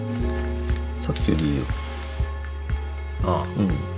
ああ。